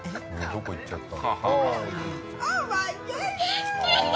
どこ行っちゃった。